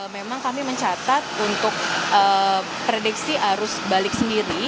memang kami mencatat untuk prediksi arus balik sendiri